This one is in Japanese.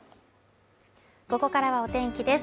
ここからはお天気です